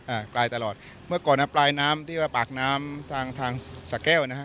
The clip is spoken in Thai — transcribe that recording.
อ่าปลายตลอดเมื่อก่อนนะปลายน้ำที่ว่าปากน้ำทางทางสะแก้วนะฮะ